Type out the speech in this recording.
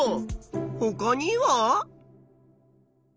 ほかには？